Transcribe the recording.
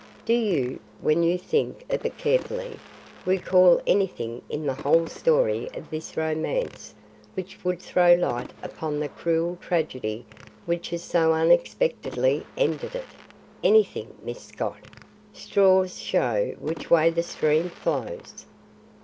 Do you, when you think of it carefully, recall anything in the whole story of this romance which would throw light upon the cruel tragedy which has so unexpectedly ended it? Anything, Miss Scott? Straws show which way the stream flows."